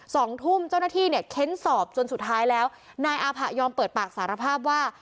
สองทุ่มเจ้าหน้าที่เนี่ยเค้นสอบจนสุดท้ายแล้วนายอาผะยอมเปิดปากสารภาพว่า